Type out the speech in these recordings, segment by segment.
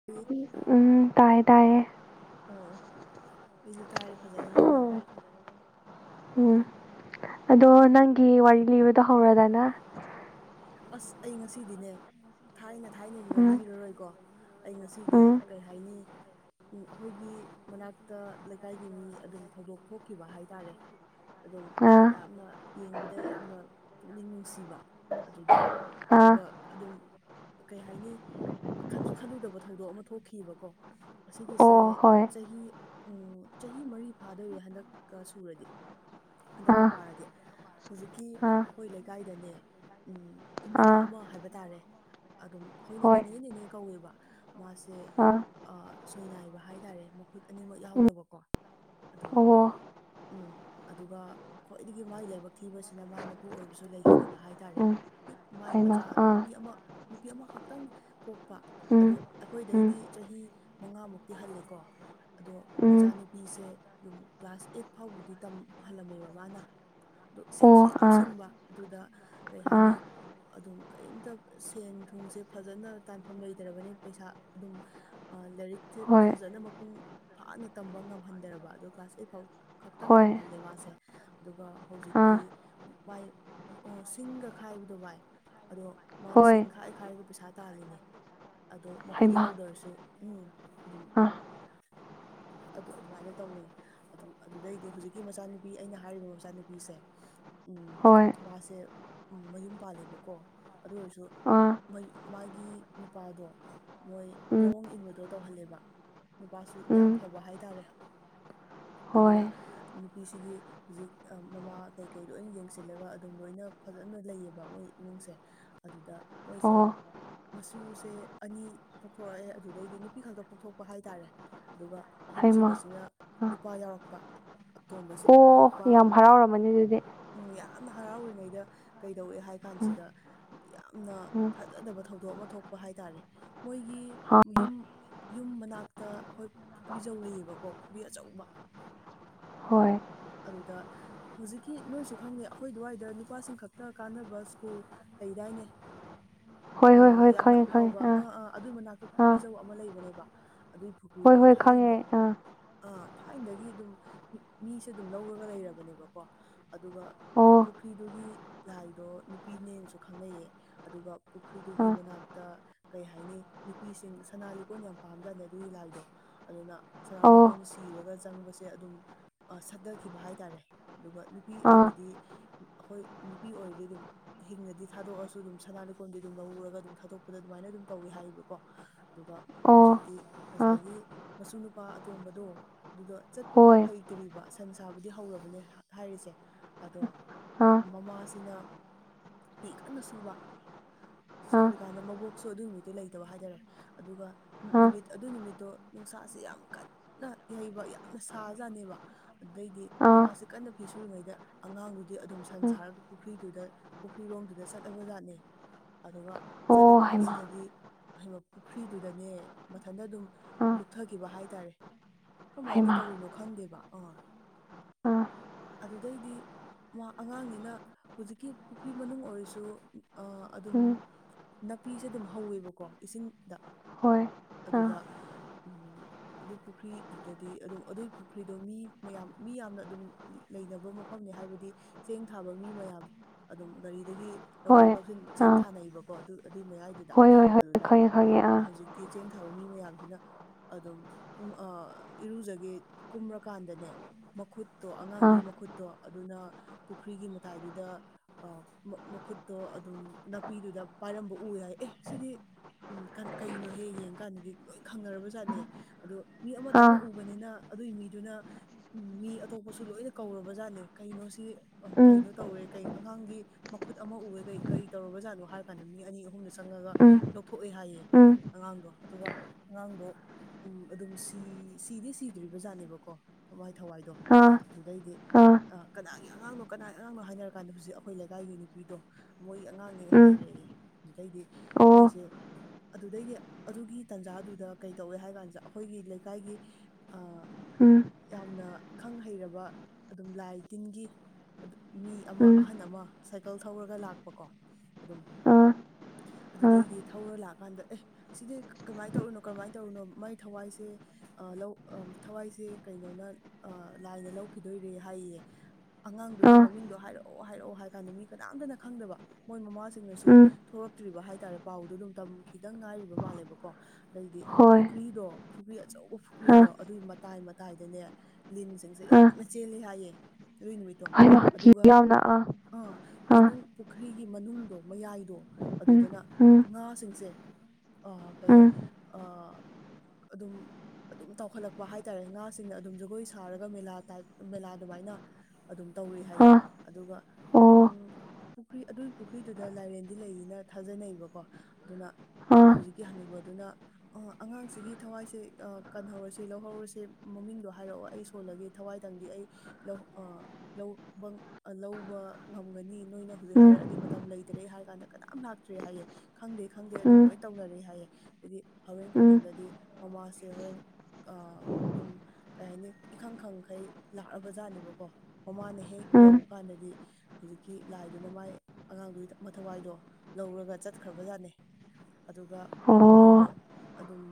ꯄꯤ ꯎꯝ ꯇꯥꯏ ꯇꯥꯏꯌꯦ ꯑꯣ ꯑꯣ ꯑꯩꯖꯨ ꯇꯥꯔꯦ ꯐꯖꯅ ꯅꯪ ꯅꯈꯣꯟ ꯎꯝ ꯑꯗꯣ ꯅꯪꯒꯤ ꯋꯥꯔꯤ ꯂꯤꯕꯗꯣ ꯍꯧꯔꯣꯗꯅ ꯑꯁ ꯑꯩ ꯉꯁꯤꯗꯤꯅꯦ ꯊꯥꯏꯅ ꯊꯥꯏꯅꯒꯤꯒ ꯎꯝ ꯂꯤꯔꯔꯣꯏꯀꯣ ꯑꯩ ꯉꯁꯤꯒꯤ ꯎꯝ ꯀꯩ ꯍꯥꯏꯅꯤ ꯎꯝ ꯑꯈꯣꯏꯒꯤ ꯃꯅꯥꯛꯇ ꯂꯩꯀꯥꯏꯒꯤ ꯃꯤ ꯑꯗꯨꯝ ꯊꯧꯗꯣꯛ ꯊꯣꯛꯈꯤꯕ ꯍꯥꯏꯇꯥꯔꯦ ꯑꯗꯨꯝ ꯑꯥ ꯂꯥꯞꯅ ꯌꯦꯡꯕꯗ ꯌꯥꯝꯅ ꯄꯨꯛꯅꯤꯡ ꯅꯨꯡꯁꯤꯕ ꯑꯗꯨꯗ ꯑꯥ ꯑꯗꯨꯒ ꯑꯗꯨꯝ ꯀꯩ ꯍꯥꯏꯅꯤ ꯈꯟꯁꯨ ꯈꯜꯂꯨꯗꯕ ꯊꯧꯗꯣꯛ ꯑꯃ ꯊꯣꯛꯈꯤꯕꯀꯣ ꯑꯁꯤꯒꯤꯁꯦ ꯑꯣ ꯍꯣꯏ ꯆꯍꯤ ꯎ ꯆꯍꯤ ꯃꯔꯤ ꯐꯥꯗꯣꯏꯔꯦ ꯍꯟꯗꯛꯀ ꯁꯨꯔꯗꯤ ꯍꯟꯗꯛꯀ ꯑꯥ ꯄꯥꯔꯗꯤ ꯍꯧꯖꯤꯛꯀꯤ ꯑꯥ ꯑꯈꯣꯏ ꯂꯩꯀꯥꯏꯗꯅꯦ ꯎꯝ ꯏꯃꯥ ꯑꯥ ꯑꯃ ꯍꯥꯏꯕ ꯇꯥꯔꯦ ꯑꯗꯨꯝ ꯑꯈꯣꯏꯅ ꯍꯣꯏ ꯅꯦꯅꯦ ꯅꯦꯅꯦ ꯀꯧꯋꯦꯕ ꯃꯥꯁꯦ ꯑꯥ ꯑ ꯁꯣꯏꯅꯥꯏꯕ ꯍꯥꯏꯇꯥꯔꯦ ꯃꯈꯨꯠ ꯑꯅꯤꯃꯛ ꯎꯝ ꯌꯥꯎꯗꯕꯀꯣ ꯑꯗꯣ ꯑꯣ ꯎꯝ ꯑꯗꯨꯒ ꯈ꯭ꯋꯥꯏꯗꯒꯤ ꯃꯥꯒꯤ ꯂꯥꯏꯕꯛ ꯊꯤꯕꯁꯤꯅ ꯃꯥꯏ ꯄꯨꯑꯣꯏꯕꯁꯨ ꯂꯩꯈꯤꯗꯕ ꯍꯥꯏꯇꯥꯔꯦ ꯎꯝ ꯄꯤꯛ ꯃꯥꯏ ꯍꯩꯃꯥ ꯃꯆꯥ ꯑꯥ ꯅꯨꯄꯤ ꯑꯃ ꯅꯨꯄꯤ ꯑꯃꯈꯛꯇꯪ ꯄꯣꯛꯄ ꯑꯗꯣ ꯎꯝ ꯎꯝ ꯑꯩꯈꯣꯏꯗꯩꯗꯤ ꯆꯍꯤ ꯃꯉꯥꯃꯨꯛꯇꯤ ꯍꯜꯂꯦꯀꯣ ꯑꯗꯣ ꯎꯝ ꯃꯆꯥꯅꯨꯄꯤꯁꯦ ꯑꯗꯨꯝ ꯀ꯭ꯂꯥꯁ ꯑꯦꯠ ꯐꯥꯎꯕꯨꯗꯤ ꯇꯝꯍꯜꯂꯝꯃꯦꯕ ꯃꯥꯅ ꯑꯗꯣ ꯁꯤꯡꯁꯨ ꯑꯣ ꯌꯥꯝ ꯑꯥ ꯁꯤꯡꯕ ꯑꯗꯨꯗ ꯀꯩ ꯑꯥ ꯍꯥꯏꯅꯤ ꯑꯗꯨꯝ ꯀꯔꯤꯝꯇ ꯁꯦꯟ ꯊꯨꯝꯁꯦ ꯐꯖꯅ ꯇꯥꯟꯐꯝ ꯂꯩꯇ꯭ꯔꯕꯅꯦ ꯄꯩꯁꯥ ꯑꯗꯨꯝ ꯑꯥ ꯂꯥꯏꯔꯤꯛꯁꯦ ꯍꯣꯏ ꯐꯖꯅ ꯃꯄꯨꯡ ꯐꯥꯅ ꯇꯝꯕ ꯉꯝꯍꯟꯗꯔꯕ ꯑꯗꯣ ꯀ꯭ꯂꯥꯁ ꯑꯦꯠ ꯐꯥꯎ ꯈꯛꯇꯪ ꯍꯣꯏ ꯇꯝꯍꯜꯂꯦ ꯃꯥꯁꯦ ꯑꯗꯨꯒ ꯑꯥ ꯍꯧꯖꯤꯛꯇꯤ ꯚꯥꯏ ꯑꯣ ꯁꯤꯡꯒ ꯈꯥꯏꯕꯗꯣ ꯚꯥꯏ ꯑꯗꯣ ꯃꯥꯅ ꯁꯤꯡ ꯍꯣꯏ ꯈꯥꯏ ꯈꯥꯏꯔꯒ ꯄꯩꯁꯥ ꯇꯥꯜꯂꯤꯅꯦ ꯑꯗꯣ ꯃꯈꯨꯠ ꯍꯩꯃꯥ ꯌꯥꯎꯗ꯭ꯔꯁꯨ ꯎꯝ ꯑꯗꯨꯝ ꯑꯥ ꯑꯗꯨ ꯑꯗꯨꯃꯥꯏꯅ ꯇꯧꯋꯦ ꯑꯗꯨ ꯑꯗꯨꯗꯩꯗꯤ ꯍꯧꯖꯤꯛꯀꯤ ꯃꯆꯥꯅꯨꯄꯤ ꯑꯩꯅ ꯍꯥꯏꯔꯤꯕ ꯃꯆꯥꯅꯨꯄꯤꯁꯦ ꯎꯝ ꯍꯣꯏ ꯃꯥꯁꯦ ꯎꯝ ꯃꯌꯨꯝ ꯄꯥꯜꯂꯦꯕꯀꯣ ꯑꯗꯨ ꯑꯣꯏꯔꯁꯨ ꯑꯥ ꯃꯥꯒꯤ ꯅꯨꯄꯥꯗꯣ ꯃꯣꯏ ꯎꯝ ꯌꯥꯑꯣꯡ ꯏꯟꯕꯗꯣ ꯇꯧꯍꯜꯂꯦꯕ ꯅꯨꯄꯥꯁꯤ ꯌꯥꯝ ꯎꯝ ꯐꯕ ꯍꯥꯏꯇꯥꯔꯦ ꯑꯗꯨꯅ ꯍꯣꯏ ꯅꯨꯄꯤꯁꯤꯒꯤ ꯍꯧꯖꯤꯛ ꯃꯃꯥ ꯀꯩꯀꯩ ꯂꯣꯏꯅ ꯌꯦꯡꯁꯤꯜꯂꯒ ꯑꯗꯨꯝ ꯂꯣꯏꯅ ꯐꯖꯅ ꯂꯩꯌꯦꯕ ꯃꯣꯏ ꯏꯃꯨꯡꯁꯦ ꯑꯗꯨꯗ ꯃꯣꯏꯁꯦ ꯑꯣ ꯃꯁꯨꯁꯦ ꯑꯅꯤ ꯄꯣꯛꯊꯣꯔꯛꯑꯦ ꯑꯗꯨꯗꯩꯗꯤ ꯅꯨꯄꯤ ꯈꯛꯇ ꯄꯣꯛꯊꯣꯛꯄ ꯍꯥꯏꯇꯥꯔꯦ ꯑꯗꯨꯒ ꯍꯩꯃꯥ ꯑꯍꯨꯝꯁꯨꯨꯕꯁꯤꯅ ꯑꯥ ꯅꯨꯄꯥ ꯌꯥꯎꯔꯛꯄ ꯑꯇꯣꯝꯕꯁꯦ ꯑꯣ ꯄꯥ ꯌꯥꯝ ꯍꯔꯥꯎꯔꯝꯃꯅꯤ ꯑꯗꯨꯗꯤ ꯎꯝ ꯌꯥꯝꯅ ꯍꯔꯥꯎꯔꯤꯉꯩꯗ ꯀꯩꯗꯧꯋꯦ ꯍꯥꯏ ꯎꯝ ꯀꯥꯟꯁꯤꯗ ꯌꯥꯝꯅ ꯎꯝ ꯊꯖꯗꯕ ꯊꯧꯗꯣꯛ ꯑꯃ ꯊꯣꯛꯄ ꯍꯥꯏꯇꯥꯔꯦ ꯃꯣꯏꯒꯤ ꯑꯥ ꯌꯨꯝ ꯌꯨꯝ ꯃꯅꯥꯛꯇ ꯑꯈꯣꯏ ꯄꯨꯈ꯭ꯔꯤꯖꯧ ꯂꯩꯌꯦꯕꯀꯣ ꯄꯨꯈ꯭ꯔꯤ ꯑꯆꯧꯕ ꯍꯣꯏ ꯑꯗꯨꯗ ꯍꯧꯖꯤꯛꯀꯤ ꯅꯣꯏꯁꯨ ꯈꯪꯅꯤ ꯑꯈꯣꯏ ꯑꯗꯨꯋꯥꯏꯗ ꯅꯨꯄꯥꯁꯤꯡ ꯈꯛꯇ ꯀꯥꯟꯅꯕ ꯁ꯭ꯀꯨꯜ ꯂꯩꯗꯥꯏꯅꯦ ꯍꯣꯏ ꯍꯣꯏ ꯑꯥ ꯍꯣꯏ ꯌꯥꯝꯅ ꯈꯪꯉꯦ ꯑꯐꯥꯎꯕ ꯈꯪꯉꯦ ꯑꯥ ꯑꯥ ꯑꯗꯨꯏ ꯃꯅꯥꯛꯇ ꯑꯥ ꯄꯨꯈ꯭ꯔꯤꯖꯧ ꯑꯃ ꯂꯩꯕꯅꯦꯕ ꯑꯗꯨꯏ ꯍꯣꯏ ꯄꯨꯈ꯭ꯔꯤꯗꯣ ꯍꯣꯏ ꯈꯪꯉꯦ ꯊꯥꯏꯅꯗ ꯑꯥ ꯑꯥ ꯊꯥꯏꯅꯗꯒꯤ ꯑꯗꯨꯝ ꯃꯤꯁꯦ ꯑꯗꯨꯝ ꯂꯧꯔꯒ ꯂꯩꯔꯕꯅꯦꯕꯀꯣ ꯑꯗꯨꯒ ꯑꯣ ꯄꯨꯈ꯭ꯔꯤꯗꯨꯒꯤ ꯂꯥꯏꯗꯣ ꯅꯨꯄꯤꯅꯦꯅꯁꯨ ꯈꯪꯅꯩꯌꯦ ꯑꯗꯨꯒ ꯄꯨꯈ꯭ꯔꯤꯗꯨꯒꯤ ꯑꯥ ꯃꯅꯥꯛꯇ ꯀꯩ ꯍꯥꯏꯅꯤ ꯅꯨꯄꯤꯁꯤꯡ ꯁꯅꯥ ꯂꯤꯛ ꯀꯣꯟ ꯌꯥꯝ ꯄꯥꯝꯖꯥꯠꯅꯦ ꯑꯗꯨꯒꯤ ꯂꯥꯏꯗꯣ ꯑꯗꯨꯅ ꯁꯅꯥ ꯑꯣ ꯂꯤꯛꯀꯣꯟ ꯁꯤꯔꯒ ꯆꯪꯕꯁꯦ ꯑꯗꯨꯝ ꯁꯠꯇꯈꯤꯕ ꯍꯥꯏꯇꯥꯔꯦ ꯑꯗꯨꯒ ꯅꯨꯄꯤ ꯑꯥ ꯑꯣꯏꯔꯗꯤ ꯑꯈꯣꯏ ꯅꯨꯄꯤ ꯑꯣꯏꯔꯗꯤ ꯑꯗꯨꯝ ꯍꯤꯡꯅꯗꯤ ꯊꯥꯗꯣꯛꯑꯁꯨ ꯑꯗꯨꯝ ꯁꯅꯥ ꯂꯣꯛꯀꯣꯟꯗꯤ ꯑꯗꯨꯝ ꯂꯧꯍꯧꯔꯒ ꯑꯗꯨꯝ ꯊꯥꯗꯣꯛꯄꯗ ꯑꯗꯨꯃꯥꯏꯅ ꯑꯗꯨꯝ ꯇꯧꯏꯤ ꯍꯥꯏꯌꯦꯕꯀꯣ ꯑꯗꯨꯒ ꯑꯣ ꯍꯧꯖꯤꯛꯇꯤ ꯑꯥ ꯉꯁꯥꯏꯒꯤ ꯃꯁꯨ ꯅꯨꯄꯥ ꯑꯇꯣꯝꯕꯗꯣ ꯑꯗꯨꯗꯣ ꯆꯠꯄ ꯐꯥꯎ ꯍꯣꯏ ꯍꯩ ꯇꯤꯔꯤꯕ ꯁꯟ ꯁꯥꯕꯗꯤ ꯍꯧꯔꯕꯅꯦ ꯍꯥꯏꯔꯤꯁꯦ ꯑꯗꯣ ꯑꯥ ꯃꯃꯥꯁꯤꯅ ꯐꯤ ꯀꯟꯅ ꯁꯨꯕ ꯑꯥ ꯁꯨꯔꯤꯀꯥꯟꯗ ꯃꯕꯣꯛ ꯁꯨ ꯑꯗꯨ ꯅꯨꯃꯤꯠꯇꯨ ꯂꯩꯇꯕ ꯍꯥꯏꯇꯥꯔꯦ ꯑꯗꯨꯒ ꯑꯥ ꯅꯨꯃꯤꯠ ꯑꯗꯨ ꯅꯨꯃꯤꯠꯇꯣ ꯅꯨꯡꯁꯥꯁꯦ ꯌꯥꯝ ꯀꯟꯅ ꯌꯩꯕ ꯌꯥꯝꯅ ꯁꯥꯖꯥꯅꯦꯕ ꯑꯗꯨꯗꯩꯗꯤ ꯑꯥ ꯃꯃꯥꯁꯦ ꯀꯟꯅ ꯐꯤ ꯁꯨꯔꯤꯉꯩꯗ ꯑꯉꯥꯡꯗꯨꯗꯤ ꯑꯗꯨꯝ ꯁꯟ ꯎꯝ ꯁꯥꯔꯒ ꯄꯨꯈ꯭ꯔꯤꯗꯨꯗ ꯄꯨꯈ꯭ꯔꯤꯔꯣꯝꯗꯨꯗ ꯆꯠꯂꯕꯖꯥꯠꯅꯦ ꯑꯗꯨꯒ ꯑꯣ ꯍꯩꯃꯥ ꯆꯠꯂꯀꯥꯟꯁꯤꯗꯗꯤ ꯍꯥꯏꯕ ꯄꯨꯈ꯭ꯔꯤꯗꯨꯗꯅꯦ ꯃꯊꯟꯇ ꯑꯗꯨꯝ ꯑꯥ ꯂꯨꯞꯊꯈꯤꯕ ꯍꯥꯏꯇꯥꯔꯦ ꯀꯔꯝꯃꯥꯏꯅ ꯍꯩꯃꯥ ꯇꯧꯔꯤꯅꯣ ꯈꯪꯗꯦꯕ ꯑꯥ ꯑꯥ ꯑꯗꯨꯗꯩꯗꯤ ꯃꯥ ꯑꯉꯥꯡꯅꯤꯅ ꯍꯧꯨꯖꯤꯛꯀꯤ ꯄꯨꯈ꯭ꯔꯤ ꯃꯅꯨꯡ ꯑꯣꯏꯔꯁꯨ ꯑꯥ ꯑꯗꯨꯝ ꯎꯝ ꯅꯥꯄꯤꯁꯦ ꯑꯗꯨꯝ ꯍꯧꯋꯦꯕꯀꯣ ꯏꯁꯤꯡꯗ ꯍꯣꯏ ꯑꯥ ꯑꯗꯨꯗ ꯎꯝ ꯑꯗꯨ ꯄꯨꯈ꯭ꯔꯤꯗꯨꯗꯗꯤ ꯑꯗꯨ ꯑꯗꯨꯏ ꯄꯨꯈ꯭ꯔꯤꯗꯣ ꯃꯤ ꯃꯌꯥꯝ ꯃꯤ ꯌꯥꯝꯅ ꯑꯗꯨꯝ ꯂꯩꯅꯕ ꯃꯐꯝꯅꯦ ꯍꯥꯏꯕꯗꯤ ꯆꯦꯡ ꯊꯥꯕ ꯃꯤ ꯃꯌꯥꯝ ꯑꯗꯨꯝ ꯒꯥꯔꯤꯗꯒꯤ ꯍꯣꯏ ꯂꯧꯊꯣꯛ ꯂꯧꯁꯤꯟ ꯆꯦꯡ ꯑꯥ ꯊꯥꯅꯩꯕꯀꯣ ꯑꯗꯨ ꯑꯗꯨꯏ ꯃꯌꯥꯏꯗꯨꯗ ꯍꯣꯏ ꯍꯣꯏ ꯍꯣꯏ ꯑꯗꯨꯗ ꯈꯪꯉꯦ ꯈꯪꯉꯦ ꯑꯥ ꯍꯧꯖꯤꯛ ꯇꯦ ꯆꯦꯡ ꯊꯥꯕ ꯃꯤ ꯃꯌꯥꯝꯁꯤꯅ ꯑꯗꯨꯝ ꯎꯝ ꯑꯥ ꯏꯔꯨꯖꯒꯦ ꯀꯨꯝꯔꯀꯥꯟꯗ ꯅꯦ ꯃꯈꯨꯠꯇꯣ ꯑꯥ ꯑꯉꯥꯡꯗꯨꯒꯤ ꯃꯈꯨꯠꯇꯣ ꯑꯗꯨꯅ ꯄꯨꯈ꯭ꯔꯤꯒꯤ ꯃꯇꯥꯏꯗꯨꯗ ꯑꯥ ꯃ ꯃꯈꯨꯠꯇꯣ ꯑꯗꯨꯝ ꯅꯥꯄꯤꯗꯨꯗ ꯄꯥꯏꯔꯝꯕ ꯎ ꯌꯥꯏ ꯑꯦ ꯁꯤꯗꯤ ꯎꯝ ꯀꯅꯥ ꯀꯩꯅꯣꯍꯦ ꯌꯦꯡ ꯀꯥꯟꯗꯗꯤ ꯂꯣꯏ ꯈꯪꯅꯔꯕ ꯖꯥꯠꯅꯦ ꯑꯗꯣ ꯃꯤ ꯑꯥ ꯑꯃꯇꯪꯅ ꯎꯕꯅꯤꯅ ꯑꯗꯨꯒꯤ ꯃꯤꯗꯨꯅ ꯎꯝ ꯃꯤ ꯑꯇꯣꯞꯄꯁꯨ ꯂꯣꯏꯅ ꯀꯧꯔꯕ ꯖꯥꯠꯅꯦ ꯀꯩꯅꯣꯁꯤ ꯑ ꯎꯝ ꯀꯩꯅꯣ ꯇꯧꯔꯦ ꯀꯩ ꯑꯉꯥꯡꯒꯤ ꯃꯈꯨꯠ ꯑꯃ ꯎꯋꯦ ꯀꯩ ꯀꯔꯤ ꯇꯧꯔꯕꯖꯥꯠꯅꯣ ꯍꯥꯏꯔ ꯀꯥꯟꯗ ꯃꯤ ꯑꯅꯤ ꯑꯍꯨꯝꯗ ꯆꯪꯉꯒ ꯎꯝ ꯂꯧꯊꯣꯛꯑꯦ ꯍꯥꯏꯌꯦ ꯎꯝ ꯑꯉꯥꯡꯗꯣ ꯑꯗꯨꯒ ꯑꯉꯥꯡꯗꯣ ꯎꯝ ꯑꯗꯨꯝ ꯁꯤ ꯁꯤꯗꯤ ꯁꯤꯗ꯭ꯔꯤꯕ ꯖꯥꯠꯅꯦꯕꯀꯣ ꯃꯥꯏ ꯊꯋꯥꯏꯗꯣ ꯑꯥ ꯑꯗꯨꯗꯩꯗꯤ ꯑꯥ ꯀꯅꯥꯒꯤ ꯑꯉꯥꯡꯅꯣ ꯀꯅꯥꯒꯤ ꯑꯉꯥꯡꯅꯣ ꯍꯥꯏꯅꯔꯀꯥꯟꯗ ꯍꯧꯖꯤꯛ ꯑꯩꯈꯣꯏ ꯂꯩꯀꯥꯏꯒꯤ ꯅꯨꯄꯤꯗꯣ ꯃꯣꯏꯒꯤ ꯑꯉꯥꯡꯅꯤ ꯎꯝ ꯍꯥꯏꯩꯔꯛꯑꯦ ꯑꯗꯨꯗꯩꯗꯤ ꯑꯣ ꯃꯣꯏꯁꯦ ꯑꯗꯨꯗꯩꯗꯤ ꯑꯗꯨꯒꯤ ꯇꯟꯖꯥꯗꯨꯗ ꯀꯩ ꯇꯧꯋꯦ ꯍꯥꯏ ꯀꯥꯟꯗ ꯑꯩꯈꯣꯏꯒꯤ ꯂꯩꯀꯥꯏꯒꯤ ꯑꯥ ꯎꯝ ꯌꯥꯝꯅ ꯈꯪ ꯍꯩꯔꯕ ꯑꯗꯨꯝ ꯂꯥꯏ ꯇꯤꯟꯒꯤ ꯑꯗꯨ ꯃꯤ ꯑꯃ ꯎꯝ ꯑꯍꯥꯟ ꯑꯃ ꯁꯥꯏꯀꯜ ꯊꯧꯔꯒ ꯂꯥꯛꯄꯀꯣ ꯑꯗꯨꯝ ꯑꯥ [inaudible] ꯑꯥ ꯑꯗꯨꯗꯩꯗꯤ ꯊꯧꯔ ꯂꯥꯛꯑꯀꯥꯟꯗ ꯑꯦ ꯁꯤꯗꯤ ꯀꯃꯥꯏ ꯇꯧꯔꯤꯅꯣ ꯀꯔꯃꯥꯏ ꯇꯧꯔꯤꯅꯣ ꯃꯥꯏ ꯊꯋꯥꯏꯁꯦ ꯑ ꯂꯧ ꯑ ꯊꯋꯥꯏꯁꯦ ꯀꯩꯅꯣꯅ ꯑ ꯂꯥꯏꯅ ꯂꯧꯈꯤꯗꯣꯏꯔꯦ ꯍꯥꯏꯌꯦ ꯑꯉꯥꯡꯗꯨꯒꯤ ꯑꯥ ꯃꯃꯤꯡꯗꯣ ꯍꯥꯏꯔꯛꯑꯣ ꯍꯥꯏꯔꯛꯑꯣ ꯍꯥꯏꯔ ꯀꯥꯟꯗ ꯃꯤ ꯀꯅꯥꯝꯇꯅ ꯈꯪꯗꯕ ꯃꯣꯏ ꯃꯃꯥꯁꯤꯡꯅꯁꯨ ꯎꯝ ꯊꯣꯛꯔꯛꯇ꯭ꯔꯤꯕ ꯍꯥꯏꯇꯥꯔꯦ ꯄꯥꯎꯗꯣ ꯑꯗꯨꯝ ꯇꯝ ꯈꯤꯇꯪ ꯉꯥꯏꯔꯤꯕ ꯃꯥꯜꯂꯦꯕꯀꯣ ꯑꯗꯩꯗꯤ ꯍꯣꯏ ꯄꯨꯈ꯭ꯔꯤꯗꯣ ꯄꯨꯈ꯭ꯔꯤ ꯑꯆꯧꯕ ꯑꯥ ꯄꯨꯈ꯭ꯔꯤꯗꯣ ꯑꯗꯨꯒꯤ ꯃꯇꯥꯏ ꯃꯠ ꯇꯥꯏꯗꯅꯦ ꯂꯤꯟꯁꯤꯡꯁꯦ ꯑꯥ ꯌꯥꯝꯅ ꯆꯦꯜꯂꯤ ꯍꯥꯏꯌꯦ ꯑꯗꯨ ꯅꯨꯃꯤꯠꯇ ꯇꫭ ꯍꯩꯃꯥ ꯀꯤ ꯑꯗꯨꯒ ꯌꯥꯝꯅ ꯑꯥ ꯑꯥ ꯃꯅꯨꯡ ꯄꯨꯈ꯭ꯔꯤꯒꯤ ꯃꯅꯨꯡꯗꯣ ꯃꯌꯥꯏꯗꯣ ꯎꯝ ꯑꯗꯨꯗꯅ ꯎꯝ ꯉꯥꯁꯤꯡꯁꯦ ꯑ ꯎꯝ ꯀꯩꯅ ꯑ ꯑꯗꯨꯝ ꯑꯗꯨꯝ ꯇꯥꯎꯈꯠꯂꯛꯄ ꯍꯥꯏꯇꯥꯔꯦ ꯉꯥ ꯁꯤꯡꯅ ꯑꯗꯨꯝ ꯖꯒꯣꯏ ꯁꯥꯔꯒ ꯃꯦꯂꯥ ꯇꯥꯏꯞ ꯃꯦꯂꯥ ꯑꯗꯨꯃꯥꯏꯅ ꯑꯗꯨꯝ ꯇꯧꯔꯤ ꯍꯥꯏꯌꯦ ꯑꯥ ꯑꯗꯨꯒ ꯑꯣ ꯎꯝ ꯄꯨꯈ꯭ꯔꯤ ꯑꯗꯨꯒꯤ ꯄꯨꯈ꯭ꯔꯤꯗꯨꯗ ꯂꯥꯏꯔꯦꯟꯗꯤ ꯂꯩꯌꯦꯅ ꯊꯥꯖꯅꯩꯕꯀꯣ ꯑꯗꯨꯅ ꯑꯥ ꯍꯧꯖꯤꯛꯀꯤ ꯍꯅꯨꯕꯗꯨꯅ ꯑꯥ ꯑꯉꯥꯡꯁꯤꯒꯤ ꯊꯋꯥꯏꯁꯦ ꯑꯥ ꯀꯟꯍꯧꯔꯁꯤ ꯂꯧꯍꯧꯔꯁꯤ ꯃꯃꯤꯡꯗꯣ ꯍꯥꯏꯔꯛꯑꯣ ꯑꯩ ꯁꯣꯜꯂꯒꯦ ꯊꯋꯥꯏꯗꯪꯗꯤ ꯑꯩ ꯂꯧ ꯑꯥ ꯂꯧꯕ ꯂꯧꯕ ꯉꯝꯒꯅꯤ ꯅꯣꯏꯅ ꯍꯧꯖꯤꯛ ꯎꯝ ꯍꯥꯏꯔꯛꯑꯗꯤ ꯃꯇꯝ ꯂꯩꯇ꯭ꯔꯦ ꯍꯥꯏꯔ ꯀꯥꯟꯗ ꯀꯅꯥꯝ ꯂꯥꯛꯇ꯭ꯔꯦ ꯍꯥꯏꯌꯦ ꯈꯪꯗꯦ ꯈꯪꯗꯦ ꯑꯗꯨꯝ ꯎꯝ ꯂꯣꯏ ꯇꯧꯅꯔꯤ ꯍꯥꯏꯌꯦ ꯑꯗꯨꯗꯤ ꯍꯣꯔꯦꯟ ꯎꯝ ꯀꯣꯟꯊꯪꯗꯗꯤ ꯃꯃꯥꯁꯦ ꯍꯣꯔꯦꯟ ꯑ ꯑꯗꯨꯝ ꯀꯩ ꯍꯥꯏꯅꯤ ꯏꯈꯪ ꯈꯪꯈꯩ ꯂꯥꯛꯕ ꯖꯥꯠꯅꯦꯕꯀꯣ ꯃꯃꯥꯅ ꯍꯦꯛ ꯎꯝ ꯌꯧ ꯀꯥꯟꯗꯗꯤ ꯍꯧꯖꯤꯛꯀꯤ ꯂꯥꯏꯗꯨꯅ ꯃꯥꯏ ꯑꯉꯥꯡꯗꯨꯒꯤ ꯃꯊꯋꯥꯏꯗꯣ ꯂꯧꯔꯒ ꯆꯠꯈ꯭ꯔꯥꯕꯖꯥꯠꯅꯦ ꯑꯗꯨꯒ ꯑꯉꯥꯡꯗꯣ ꯑꯣ ꯑꯗꯨꯝ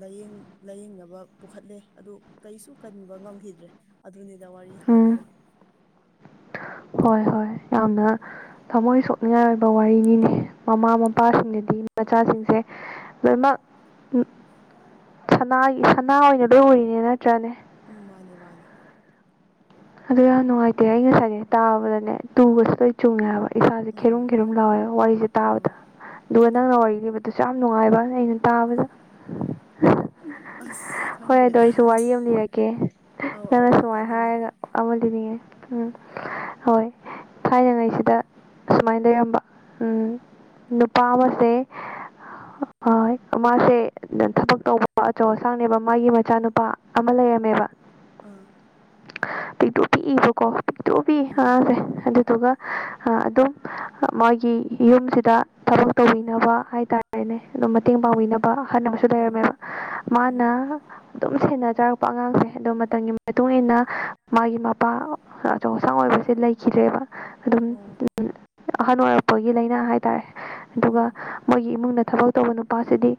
ꯂꯥꯏꯌꯦꯡ ꯂꯥꯏꯌꯦꯡꯅꯕ ꯄꯨꯈꯠꯂꯦ ꯑꯗꯨ ꯀꯩꯁꯨ ꯀꯟꯕ ꯉꯝꯈꯤꯗ꯭ꯔꯦ ꯑꯗꯨꯅꯤꯗ ꯋꯥꯔꯤ ꯎꯝ ꯍꯥꯏꯕꯕꯨ ꯍꯣꯏ ꯍꯣꯏ ꯌꯥꯝꯅ ꯊꯝꯃꯣꯏ ꯁꯣꯛꯅꯤꯡꯉꯥꯏ ꯑꯣꯏꯕ ꯋꯥꯔꯤꯅꯤꯅꯦ ꯃꯃꯥ ꯃꯄꯥꯁꯤꯡꯅꯗꯤ ꯃꯆꯥꯁꯤꯡꯁꯦ ꯂꯣꯏꯅꯃꯛ ꯁꯅꯥꯒꯤ ꯁꯅꯥ ꯑꯣꯏꯅ ꯂꯣꯏ ꯎꯔꯤꯅꯦ ꯅꯠꯇ꯭ꯔꯅꯦ ꯎꯝ ꯃꯥꯅꯤ ꯃꯥꯅꯤ ꯑꯗꯨ ꯌꯥꯝ ꯅꯨꯡꯉꯥꯏꯇꯦ ꯑꯩ ꯉꯁꯥꯏꯗꯩ ꯇꯥꯕꯗꯅꯦ ꯇꯨꯒꯁꯦ ꯂꫭꯏ ꯆꯨꯡꯉꯦꯕ ꯏꯁꯥꯁꯦ ꯎꯝ ꯈꯤꯔꯨꯝ ꯈꯤꯔꯨꯝ ꯂꯥꯎꯋꯦꯕ ꯋꯥꯔꯤꯁꯦ ꯇꯥꯕꯗ ꯎꯝ ꯑꯗꯨꯒ ꯅꯪꯅ ꯋꯥꯔꯤ ꯂꯤꯔꯤꯕꯗꯨꯁꯨ ꯌꯥꯝ ꯅꯨꯡꯉꯥꯏꯕ ꯑꯩꯅ ꯇꯥꯕꯗ ꯑꯁ ꯍꯣꯏ ꯑꯗꯣ ꯈꯪꯗ꯭ꯔꯦꯗ ꯑꯩꯁꯨ ꯋꯥꯔꯤ ꯑꯃ ꯂꯤꯔꯛꯀꯦ ꯑꯧ ꯅꯪꯅ ꯑꯧ ꯁꯃꯥꯏ ꯇꯥꯅꯤꯡꯉꯦ ꯍꯥꯏꯔꯒ ꯑꯃ ꯂꯤꯅꯤꯉꯦ ꯎꯝ ꯍꯣꯏ ꯊꯥꯏꯅꯉꯩꯁꯤꯗ ꯁꯨꯃꯥꯏ ꯂꯩꯔꯝꯕ ꯎꯝ ꯅꯨꯄꯥ ꯑꯃꯁꯦ ꯍ ꯃꯥꯁꯦ ꯊꯕꯛ ꯇꯧꯕ ꯑꯆꯧ ꯑꯁꯥꯡꯅꯦꯕ ꯃꯥꯒꯤ ꯃꯆꯥꯅꯨꯄꯥ ꯑꯃ ꯂꯩꯔꯝꯃꯦꯕ ꯑꯥ ꯄꯤꯛꯇꯨ ꯄꯤꯛꯏꯕꯀꯣ ꯄꯤꯛꯇꯨ ꯄꯤꯛꯏ ꯎꯝ ꯑꯉꯥꯡꯁꯦ ꯑꯗꯨꯗꯨꯒ ꯑꯗꯨꯝ ꯃꯥꯒꯤ ꯌꯨꯝꯁꯤꯗ ꯊꯕꯛ ꯇꯧꯕꯤꯅꯕ ꯍꯥꯏꯇꯥꯔꯦ ꯍꯥꯏꯅꯩ ꯑꯗꯨꯝ ꯃꯇꯦꯡ ꯎꯝ ꯄꯥꯡꯕꯤꯅꯕ ꯑꯍꯟ ꯑꯃꯁꯨ ꯎꯝ ꯂꯩꯔꯝꯃꯦꯕ ꯎꯝ ꯎꯝ ꯃꯥꯅ ꯑꯗꯨꯝ ꯁꯦꯟꯅꯖꯔꯛꯄ ꯑꯉꯥꯡꯁꯦ ꯑꯗꯣ ꯃꯇꯝꯒꯤ ꯃꯇꯨꯡꯏꯟꯅ ꯃꯥꯒꯤ ꯃꯄꯥ ꯑꯆꯧ ꯑꯁꯥꯡ ꯑꯣꯏꯕꯁꯦ ꯂꯩꯈꯤꯗ꯭ꯔꯦꯕ ꯑꯗꯨꯝ ꯑꯣ ꯑꯍꯜ ꯑꯣꯏꯔꯛꯄꯒꯤ ꯂꯩꯅꯥ ꯍꯥꯏꯇꯥꯔꯦ ꯑꯗꯨꯒ ꯑꯣ ꯃꯣꯏꯒꯤ ꯏꯃꯨꯡꯗ ꯊꯕꯛ ꯇꯧꯕ ꯅꯨꯄꯥꯁꯤꯗꯤ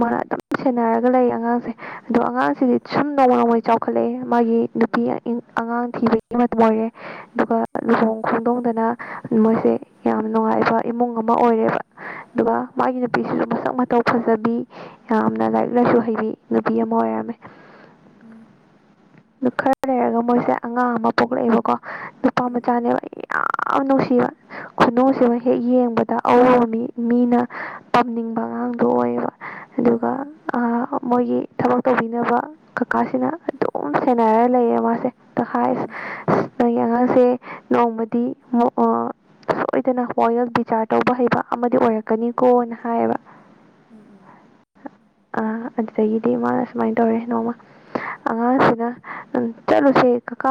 ꯃꯥꯅ ꯑꯗꯨꯝ ꯁꯦꯟꯅꯔꯒ ꯂꯩꯌꯦ ꯑꯉꯥꯡꯁꯦ ꯑꯗꯣ ꯑꯉꯥꯡꯁꯤꯗꯤ ꯎꯝ ꯁꯨꯝ ꯅꯣꯡꯃ ꯅꯣꯡꯃꯒꯤ ꯆꯥꯎꯈꯠꯂꯛꯑꯦ ꯃꯥꯒꯤ ꯅꯨꯄꯤ ꯑꯉꯥꯡ ꯊꯤꯕꯒꯤ ꯃꯇꯝ ꯑꯣꯏꯔꯦ ꯑꯗꯨꯒ ꯂꯨꯍꯣꯡ ꯈꯣꯡꯗꯣꯡꯗꯅ ꯃꯣꯏꯁꯦ ꯌꯥꯝꯅ ꯅꯨꯡꯉꯥꯏꯕ ꯏꯃꯨꯡ ꯑꯃ ꯑꯣꯏꯔꯦꯕ ꯑꯗꯨꯒ ꯃꯥꯒꯤ ꯅꯨꯄꯤꯁꯤꯁꯨ ꯃꯁꯛ ꯃꯇꯧ ꯐꯖꯕꯤ ꯌꯥꯝꯅ ꯂꯥꯏꯔꯤꯛ ꯂꯥꯏꯁꯨ ꯍꯩꯕꯤ ꯅꯨꯄꯤ ꯑꯃ ꯑꯣꯏꯔꯝꯃꯦ ꯎꯝ ꯈꯔ ꯂꯩꯔꯒ ꯃꯣꯏꯁꯦ ꯑꯉꯥꯡ ꯑꯃ ꯄꯣꯛꯂꯛꯑꯦꯕꯀꯣ ꯅꯨꯄꯥ ꯎꯝ ꯎꯝ ꯃꯆꯥꯅꯦꯕ ꯑꯩ ꯌꯥꯝ ꯅꯨꯡꯁꯤꯕ ꯈꯨꯅꯨꯡꯁꯤ ꯑꯃ ꯎꯝ ꯍꯦꯛ ꯌꯦꯡꯕꯗ ꯗ ꯑꯎꯕ ꯃꯤ ꯃꯤꯅ ꯄꯝꯅꯤꯡꯕ ꯑꯉꯥꯡꯗꯣ ꯑꯣꯏꯌꯦꯕ ꯑꯣ ꯑꯗꯨꯒ ꯑꯣ ꯑꯥ ꯃꯣꯏꯒꯤ ꯊꯕꯛ ꯇꯧꯕꯤꯅꯕ ꯀꯀꯥꯁꯤꯅ ꯑꯗꯨꯝ ꯁꯦꯟꯅꯔ ꯂꯩꯌꯦ ꯃꯥꯁꯦ ꯎꯝ ꯎꯝ [unintelligible] ꯑꯉꯥꯡꯁꯦ ꯅꯣꯡꯃꯗꯤ ꯁꯣꯏꯗꯅ ꯋꯥꯌꯦꯜ ꯕꯤꯆꯥꯔ ꯇꯧꯕ ꯍꯩꯕ ꯑꯃꯗꯤ ꯑꯣꯏꯔꯛꯀꯅꯤꯀꯣꯅ ꯍꯥꯏꯌꯦꯕ ꯎꯝ ꯎꯝ ꯑ ꯑꯗꯨꯗꯒꯤꯗꯤ ꯃꯥꯅ ꯁꯨꯃꯥꯏꯅ ꯇꯧꯔꯦ ꯅꯣꯡꯃ ꯑꯉꯥꯡꯁꯤꯅ ꯎ ꯆꯠꯂꯨꯁꯦ ꯀꯀꯥ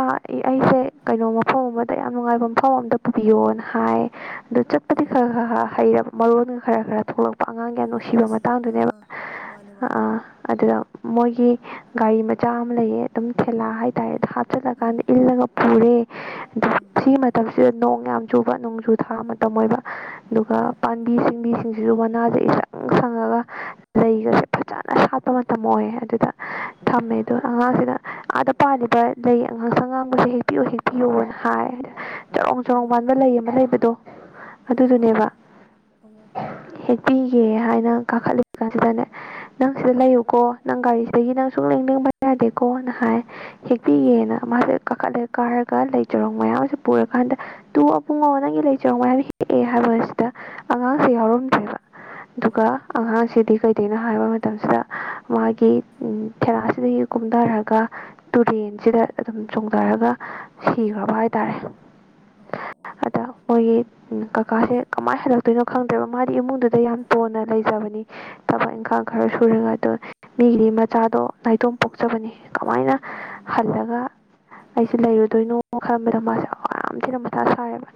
ꯑꯩꯁꯦ ꯀꯩꯅꯣ ꯃꯐꯝ ꯑꯃꯗ ꯌꯥꯝ ꯅꯨꯡꯉꯥꯏꯕ ꯃꯐꯝ ꯑꯃꯗ ꯄꯨꯕꯤꯌꯣꯅ ꯍꯥꯏ ꯑꯗꯨ ꯆꯠꯄꯗꯤ ꯎꯝ ꯈꯔ ꯈꯔ ꯈꯔ ꯍꯩꯔꯕ ꯃꯔꯣꯟꯒ ꯈꯔ ꯈꯔ ꯊꯣꯛꯂꯛꯄ ꯑꯉꯥꯡꯒꯤ ꯑꯣ ꯌꯥꯝ ꯑꯣ ꯅꯨꯡꯁꯤꯕ ꯑꯁꯤ ꯑꯥ ꯃꯇꯥꯡꯗꯨꯅꯦꯕ ꯑꯥ ꯃꯥꯅꯦ ꯃꯥꯅꯦ ꯑꯗꯨꯗ ꯃꯣꯏꯒꯤ ꯒꯥꯔꯤ ꯃꯆꯥ ꯑꯃ ꯂꯩꯌꯦ ꯑꯗꯨꯝ ꯊꯦꯂꯥ ꯍꯥꯏꯇꯥꯔꯦ ꯍꯥꯞꯆꯤꯜꯂꯀꯥꯟꯗ ꯎꯝ ꯏꯜꯂꯒ ꯄꯨꯔꯦ ꯎꯝ [unintelligible] ꯃꯇꯝꯁꯤꯗ ꯅꯣꯡ ꯌꯥꯝ ꯆꯨꯕ ꯅꯣꯡꯖꯨ ꯊꯥ ꯃꯇꯝ ꯑꯣꯏꯕ ꯑꯗꯨꯒ ꯎꯝ ꯄꯥꯝꯕꯤ ꯁꯤꯡꯕꯤꯁꯤꯡꯁꯤꯁꯨ ꯃꯅꯥꯁꯦ ꯏꯁꯪ ꯁꯪꯉꯒ ꯂꯩꯒꯁꯦ ꯐꯖꯅ ꯁꯥꯠꯄ ꯃꯇꯝ ꯑꯣꯏ ꯑꯗꯨꯗ ꯊꯝꯃꯦ ꯑꯗꯨ ꯑꯉꯥꯡꯁꯤꯗ ꯑꯥꯗ ꯄꯥꯜꯂꯤꯕ ꯂꯩ ꯉꯪꯁꯡ ꯑꯉꯥꯡꯕꯁꯦ ꯍꯦꯛꯄꯤꯌꯣꯑꯣ ꯍꯦꯛꯄꯤꯌꯣꯅ ꯍꯥꯏ ꯆꯔꯣꯡ ꯆꯔꯣꯡ ꯎꯝ ꯄꯥꯟꯕ ꯂꯩ ꯃ ꯂꯩꯩꯕꯗꯣ ꯎꯝ ꯎꯝ ꯎꯝ ꯑꯗꯨꯗꯨꯅꯦꯕ ꯑꯣ ꯍ ꯄꯤꯒꯦ ꯍꯥꯏꯅ ꯀꯥꯈꯠꯂꯤꯕ ꯀꯥꯟꯁꯤꯗꯅꯦ ꯅꯪ ꯁꯤꯗ ꯂꯩꯌꯨꯀꯣ ꯅꯪ ꯒꯥꯔꯤꯁꯤꯗꯒꯤ ꯅꯪ ꯁꯨꯛꯂꯦꯡ ꯂꯦꯡꯕ ꯌꯥꯗꯦꯀꯣ ꯃꯣꯅ ꯍꯥꯏ ꯎꯝ ꯍꯦꯛꯄꯤꯒꯦꯅ ꯃꯥꯁꯦ ꯀꯥꯈꯠꯂꯒ ꯀꯥꯔꯒ ꯂꯩ ꯆꯔꯣꯡ ꯃꯌꯥꯝꯁꯦ ꯄꯨꯔꯀꯥꯟꯗ ꯇꯨ ꯑꯕꯨꯡ ꯉꯣ ꯅꯪꯒꯤ ꯂꯩꯆꯔꯣꯡ ꯃꯌꯥꯝ ꯍꯦꯛꯑꯦ ꯍꯥꯏꯕꯕꯁꯤꯗ ꯑꯉꯥꯡꯁꯦ ꯌꯥꯎꯔꯝꯗ꯭ꯔꯦꯕ ꯍꯩꯃ ꯑꯗꯨꯒ ꯑꯉꯥꯡꯁꯤꯗꯤ ꯀꯩꯗꯧꯅꯣ ꯍꯥꯏꯕ ꯃꯇꯝꯁꯤꯗ ꯃꯥꯒꯤ ꯊꯦꯂꯥꯁꯤꯗꯒꯤ ꯀꯨꯝꯊꯔꯒ ꯇꯨꯔꯦꯟꯁꯤꯗ ꯑꯗꯨꯝ ꯆꯣꯡꯊꯔꯒ ꯁꯤꯈ꯭ꯔꯕ ꯍꯥꯏꯇꯥꯔꯦ ꯑꯣ ꯑꯣ ꯑꯣ ꯑꯗ ꯃꯣꯏꯒꯤ ꯀꯀꯥꯁꯦ ꯀꯃꯥꯏꯅ ꯍꯜꯂꯛꯇꯣꯏꯅꯣ ꯈꯪꯗꯦꯕ ꯃꯥꯗꯤ ꯏꯃꯨꯡꯗꯨꯗ ꯌꯥꯝ ꯇꯣꯟꯅ ꯂꯩꯖꯕꯅꯤ ꯊꯕꯛ ꯏꯪꯈꯥꯡ ꯈꯔ ꯁꯨꯔꯒ ꯑꯗꯨ ꯃꯤꯒꯤꯗꯤ ꯃꯆꯥꯗꯣ ꯅꯥꯏꯇꯣꯝ ꯄꯣꯛꯆꯕꯅꯤ ꯀꯃꯥꯏꯅ ꯎꯝ ꯎꯝ ꯈꯜꯂꯒ ꯑꯩꯁꯦ ꯂꯩꯔꯨꯗꯣꯏꯅꯣ ꯈꯟꯕꯗ ꯃꯥꯁꯦ ꯌꯥꯝ ꯌꯥꯝ ꯊꯤꯅ ꯃꯊꯥ ꯁꯥꯔꯦꯕ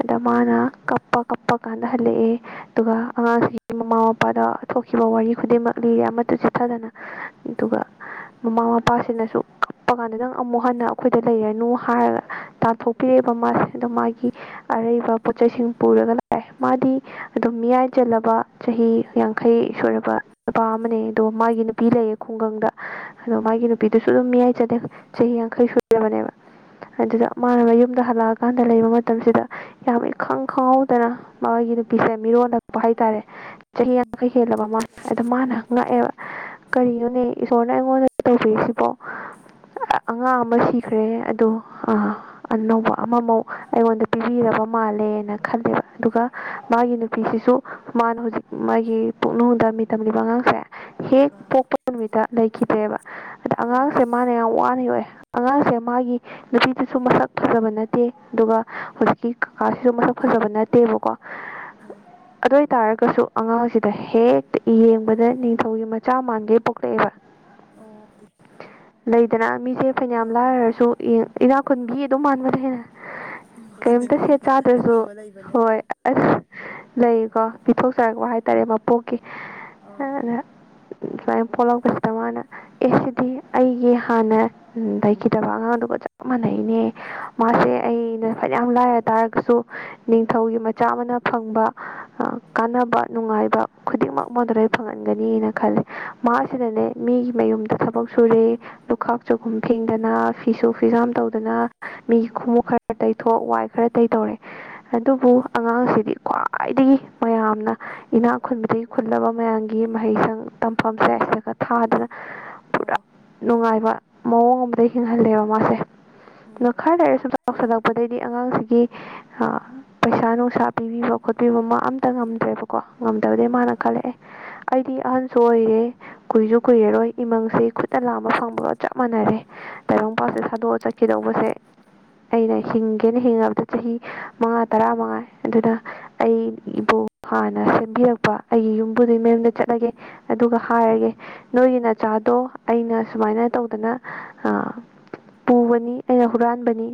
ꯑꯗꯣ ꯃꯥꯅ ꯀꯞꯄ ꯀꯞꯄ ꯀꯥꯟꯗ ꯍꯜꯂꯛꯑꯦ ꯑꯗꯨꯒ ꯑꯉꯥꯡꯁꯤꯒꯤ ꯃꯃꯥ ꯃꯄꯥꯗ ꯊꯣꯛꯈꯤꯕ ꯋꯥꯔꯤ ꯈꯨꯗꯤꯡꯃꯛ ꯂꯤꯔꯦ ꯑꯃꯇ ꯆꯤꯠꯊꯗꯅ ꯑꯗꯨꯒ ꯎꯝ ꯃꯃꯥ ꯃꯄꯥꯁꯤꯅꯁꯨ ꯀꯞꯄ ꯀꯥꯟꯗ ꯅꯪꯑꯃꯨꯛ ꯍꯟꯅ ꯑꯩꯈꯣꯏꯗ ꯂꯩꯔꯅꯨ ꯍꯥꯏꯔꯒ ꯇꯥꯟꯊꯣꯛ ꯄꯤꯔꯛꯑꯕ ꯃꯥꯁꯦ ꯑꯗꯣ ꯃꯥꯒꯤ ꯑꯔꯩꯕ ꯄꯣꯠ ꯆꯩꯁꯤꯡ ꯄꯨꯔꯒ ꯂꯥꯛꯑꯦ ꯃꯥꯗꯤ ꯑꯗꯨꯝ ꯃꯤꯌꯥꯏ ꯆꯜꯂꯕ ꯆꯍꯤ ꯌꯥꯡꯈꯩ ꯁꯨꯔꯕ ꯅꯨꯄꯥ ꯑꯃꯅꯦ ꯑꯗꯣ ꯃꯥꯒꯤ ꯅꯨꯄꯤ ꯂꯩꯌꯦ ꯈꯨꯡꯒꯪꯗ ꯑꯗꯣ ꯃꯥꯒꯤ ꯅꯨꯄꯤꯗꯨꯁꯨ ꯑꯗꯨꯝ ꯃꯤꯌꯥꯏ ꯆꯜꯂꯦ ꯆꯍꯤ ꯌꯥꯡꯈꯩ ꯁꯨꯔꯕꯅꯦꯕ ꯑꯗꯨꯗ ꯎꯝ ꯃꯅꯥ ꯃꯌꯨꯝ ꯗ ꯍꯜꯂꯛꯑꯀꯥꯟꯗ ꯂꯩꯕ ꯃꯇꯝꯁꯤꯗ ꯌꯥꯝ ꯏꯈꯪ ꯈꯪꯍꯧꯗꯅ ꯃꯒꯤ ꯅꯨꯄꯤꯁꯦ ꯃꯤꯔꯣꯜꯂꯛꯄ ꯍꯥꯏꯇꯥꯔꯦ ꯆꯍꯤ ꯎꯝ ꯌꯥꯡꯈꯩ ꯍꯦꯜꯂꯕ ꯃꯥꯅꯦ ꯑꯗꯣ ꯃꯥꯅ ꯉꯥꯛꯑꯦꯕ ꯀꯔꯤꯅꯣꯅꯦ ꯏꯁꯣꯔꯅ ꯑꯩꯉꯣꯟꯗ ꯇꯧꯕꯤꯔꯤꯁꯤꯕꯣ ꯑꯉꯥꯡ ꯑꯃ ꯁꯤꯈ꯭ꯔꯦ ꯑꯗꯣ ꯑꯥ ꯑꯅꯧꯕ ꯑꯃꯃꯨꯛ ꯑꯩꯉꯣꯟꯗ ꯄꯤꯕꯤꯔꯕ ꯃꯥꯜꯂꯦꯅ ꯈꯜꯂꯦꯕ ꯑꯗꯨꯒ ꯃꯥꯒꯤ ꯅꯨꯄꯤꯁꯤꯁꯨ ꯃꯥꯅ ꯍꯧꯖꯤꯛ ꯃꯥꯒꯤ ꯄꯨꯛꯅꯨꯡꯗ ꯃꯤ ꯇꯝꯂꯤꯕ ꯑꯉꯥꯡꯁꯦ ꯍꯦꯛ ꯑꯥ ꯄꯣꯛꯄ ꯅꯨꯃꯤꯠꯇ ꯂꯩꯈꯤꯗ꯭ꯔꯦꯕ ꯑꯗꯣ ꯑꯣ ꯑꯉꯥꯡꯁꯦ ꯃꯅꯥ ꯌꯥꯝ ꯋꯥꯅ ꯌꯣꯛꯑꯦ ꯑꯉꯥꯡꯁꯦ ꯃꯥꯒꯤ ꯅꯨꯄꯤꯗꯨꯁꯨ ꯃꯁꯛ ꯐꯖꯕ ꯅꯠꯇꯦ ꯑꯗꯨꯒ ꯍꯧꯖꯤꯛꯀꯤ ꯀꯀꯥꯁꯤꯁꯨ ꯃꯁꯛ ꯐꯖꯕ ꯅꯠꯇꯦꯕꯀꯣ ꯎꯝ ꯑꯗꯨ ꯑꯣꯏꯇꯥꯔꯒꯁꯨ ꯑꯉꯥꯡꯁꯤꯗ ꯍꯦꯛ ꯑꯦ ꯌꯦꯡꯕꯗ ꯅꯤꯡꯊꯧꯒꯤ ꯃꯆꯥ ꯃꯥꯟꯒꯩ ꯄꯣꯛꯂꯛꯑꯦꯕ ꯑꯣ ꯋꯣꯛꯇꯦ ꯂꯩꯗꯅ ꯃꯤꯁꯦ ꯐꯅꯌꯥꯝ ꯑꯥ ꯂꯥꯏꯔꯔꯁꯨ ꯏꯅꯥꯛ ꯈꯨꯟꯕꯤ ꯑꯗꯨꯝ ꯃꯥꯟꯕꯗ ꯍꯦꯟꯅ ꯃꯥꯅꯦ ꯀꯔꯤꯃꯇ ꯁꯦꯠ ꯃꯥꯅꯦ ꯆꯥꯗ꯭ꯔꯁꯨ ꯑꯗꯨꯒꯨꯝꯕ ꯂꯩꯕꯅꯦ ꯍꯣꯏ ꯑꯁ ꯂꯩꯌꯦꯀꯣ ꯄꯤꯊꯣꯛꯆꯔꯛꯄ ꯍꯥꯏꯇꯥꯔꯦ ꯃꯄꯣꯛ ꯑꯥ ꯑꯗ ꯁꯨꯃꯥꯏꯅ ꯄꯣꯛꯍꯧꯗꯕꯁꯦ ꯃꯅꯥ ꯑꯦ ꯁꯤꯗꯤ ꯑꯩꯒꯤ ꯍꯥꯟꯅ ꯂꯩꯈꯤꯗꯕ ꯑꯉꯥꯡꯗꯨꯒ ꯆꯞ ꯃꯥꯟꯅꯩꯅꯦ ꯃꯥꯁꯦ ꯑꯩꯅ ꯐꯅꯌꯥꯝ ꯂꯥꯏꯔ ꯇꯥꯔꯒꯁꯨ ꯅꯤꯡꯊꯧꯒꯤ ꯃꯆꯥ ꯑꯃꯅ ꯐꯪꯕ ꯀꯥꯟꯅꯕ ꯅꯨꯡꯉꯥꯏꯕ ꯈꯨꯗꯤꯡꯃꯛ ꯃꯉꯣꯟꯗ ꯂꯣꯏꯅ ꯐꯪꯍꯟꯒꯅꯤꯅ ꯈꯜꯂꯤ ꯃꯥꯁꯤꯅꯅꯦ ꯃꯤꯒꯤ ꯃꯌꯨꯝꯗ ꯊꯕꯛ ꯁꯨꯔꯦ ꯂꯨꯈꯥꯛ ꯆꯒꯨꯝ ꯐꯦꯡꯗꯅ ꯐꯤꯁꯨ ꯐꯤꯖꯥꯝ ꯇꯧꯗꯅ ꯃꯤꯒꯤ ꯈꯣꯡꯎꯞ ꯈꯔ ꯈꯔ ꯇꯩꯊꯣꯛ ꯋꯥꯏ ꯈꯔ ꯇꯩ ꯇꯧꯔꯦ ꯑꯗꯨꯕꯨ ꯑꯉꯥꯡꯁꯤꯗꯤ ꯈ꯭ꯋꯥꯏꯗꯒꯤ ꯃꯌꯥꯝꯅ ꯏꯅꯥꯛ ꯈꯨꯟꯕꯗꯒꯤ ꯈꯨꯜꯂꯕ ꯃꯌꯥꯝꯒꯤ ꯃꯍꯩꯁꯪ ꯇꯝꯐꯝꯁꯦ ꯑꯁꯤꯗ ꯊꯥꯗꯅ ꯑꯣ ꯅꯨꯡꯉꯥꯏꯕ ꯃꯑꯣꯡ ꯑꯃꯗ ꯍꯤꯡꯍꯜꯂꯦꯕ ꯃꯥꯁꯦ ꯎꯝ ꯈꯔ ꯂꯩꯔꯒ ꯆꯥꯎꯁꯜꯂꯛꯄꯗꯒꯤꯗꯤ ꯑꯉꯥꯡꯁꯤꯒꯤ ꯑꯥ ꯄꯩꯁꯥ ꯅꯨꯡꯁꯥ ꯄꯤꯕꯤꯕ ꯈꯣꯠꯄꯤꯕ ꯃꯥ ꯑꯃꯇ ꯉꯝꯗ꯭ꯔꯦꯕꯀꯣ ꯉꯝꯗꯕꯗꯒꯤ ꯃꯥꯅ ꯑꯣ ꯈꯜꯂꯛꯑꯦ ꯑꯩꯗꯤ ꯑꯍꯟꯁꯨ ꯑꯣꯏꯔꯦ ꯀꯨꯏꯔꯔꯣꯏ ꯀꯨꯏꯔꯔꯣꯏ ꯏꯃꯪꯁꯦ ꯈꯨꯠꯅ ꯂꯥꯝꯕ ꯐꯪꯕꯒ ꯆꯞ ꯃꯥꯟꯅꯔꯦ ꯇꯥꯏꯕꯪ ꯎꯝ ꯄꯥꯟꯕꯁꯦ ꯊꯥꯗꯣꯛꯑ ꯆꯠꯈꯤꯗꯧꯕꯁꯦ ꯑꯩꯅ ꯍꯤꯡꯒꯦꯅ ꯍꯤꯡꯉꯕꯗ ꯆꯍꯤ ꯃꯉꯥ ꯇꯔꯥ ꯃꯉꯥꯏ ꯑꯗꯨꯗ ꯑꯩꯕꯨ ꯍꯥꯟꯅ ꯁꯦꯝꯕꯤꯔꯛꯄ ꯑꯩꯒꯤ ꯌꯨꯝꯕꯨꯗꯨꯒꯤ ꯃꯌꯨꯝꯗ ꯆꯠꯂꯒꯦ ꯑꯗꯨꯒ ꯍꯥꯏꯔꯒꯦ ꯅꯣꯏꯒꯤ ꯅꯆꯥꯗꯣ ꯑꯩꯅ ꯁꯨꯃꯥꯏꯅ ꯇꯧꯗꯅ ꯑꯥ ꯄꯨꯕꯅꯤ ꯑꯩꯅ ꯍꯨꯔꯥꯟꯕꯅꯤ